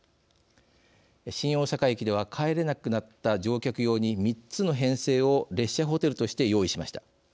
新大阪駅では帰れなくなった乗客用に３つの編成を列車ホテルとして用意しました。